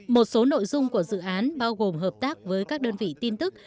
một số nội dung của dự án bao gồm hợp tác với các đơn vị tin tức